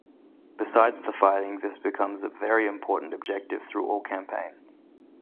Besides the fighting this becomes a very important objective through all campaign.